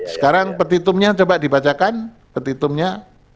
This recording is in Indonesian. sekarang petitumnya coba dibacakan petitumnya